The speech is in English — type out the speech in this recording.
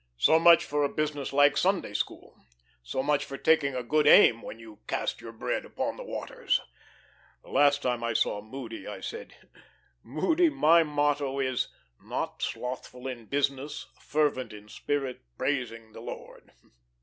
So much for a business like Sunday school; so much for taking a good aim when you cast your bread upon the waters. The last time I saw Moody I said, 'Moody, my motto is "not slothful in business, fervent in spirit, praising the Lord."'